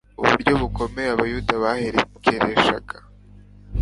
Uburyo bukomeye abayuda baherekereshaga